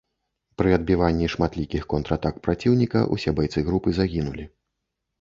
Пры адбіванні шматлікіх контратак праціўніка усе байцы групы загінулі.